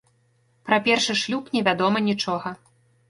Пра першы шлюб не вядома нічога.